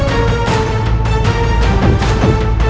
ibunda bulbs ayah